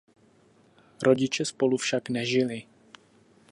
Rodiče spolu však nežili.